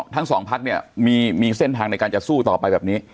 ทั้งสองพักเนี่ยมีเส้นทางในการจะสู้ต่อไปแบบนี้